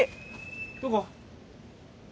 どこ？